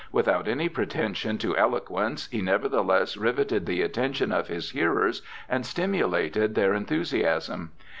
Without any pretension to eloquence, he nevertheless riveted the attention of his hearers and stimulated their enthusiasm.